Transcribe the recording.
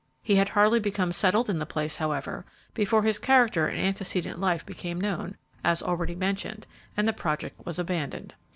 He had hardly become settled in the place, however, before his character and antecedent life became known, as already mentioned, and the project was abandoned.